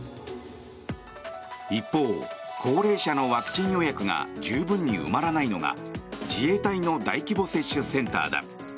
一方、高齢者のワクチン予約が十分に埋まらないのが自衛隊の大規模接種センターだ。